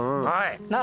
はい！